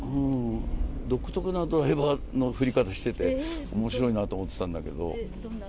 独特なドライバーの振り方してて、おもしろいなと思ってたんだけど。